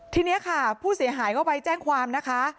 ทีนี้ค่ะผู้เสียหายก็ไปแจ้งความนะคะ